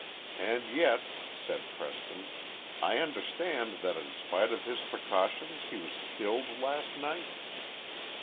"And yet," said Preston, "I understand that in spite of his precautions he was killed last night?"